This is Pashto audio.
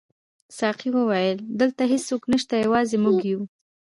ساقي وویل: دلته هیڅوک نشته، یوازې موږ یو.